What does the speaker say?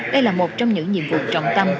đây là một trong những nhiệm vụ trọng tâm